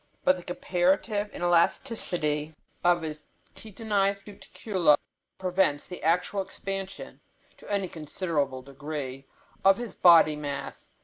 But the comparative inelasticity of his chitinized cuticula prevents the actual expansion, to any considerable degree, of his body mass.